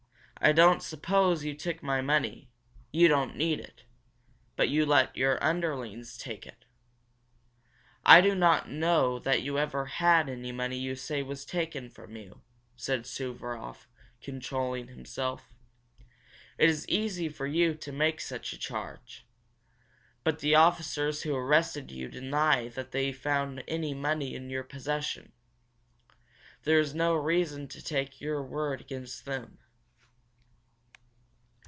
I don't suppose you took my money you don't need it but you let your underlings take it." "I do not know that you ever had the money you say was taken from you," said Suvaroff, controlling himself. "It is easy for you to make such a charge. But the officers who arrested you deny that they found any money in your possession. There is no reason to take your word against them."